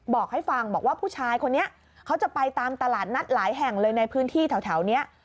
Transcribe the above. บอกให้ฟังบอกว่าผู้ชายคนนี้เขาจะไปตามตลาดนัดหลายแห่งเลยในพื้นที่แถวนี้